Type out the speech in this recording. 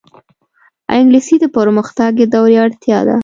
انګلیسي د پرمختګ د دورې اړتیا ده